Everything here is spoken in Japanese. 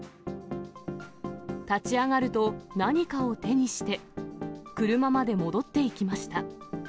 立ち上がると、何かを手にして、車まで戻っていきました。